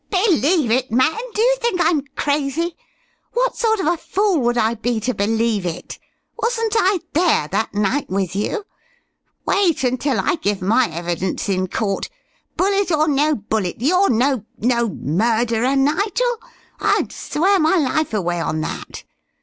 "Believe it, man? D'you think I'm crazy? What sort of a fool would I be to believe it? Wasn't I there, that night, with you? Wait until I give my evidence in court. Bullet or no bullet, you're no no murderer, Nigel; I'd swear my life away on that.